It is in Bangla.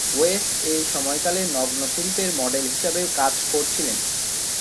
ওয়েস্ট এই সময়কালে নগ্ন শিল্পের মডেল হিসাবেও কাজ করেছিলেন।